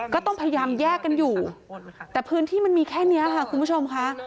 ก็ต้องพยายามแยกกันอยู่แต่พื้นที่มันมีแค่นี้ค่ะคุณผู้ชมค่ะ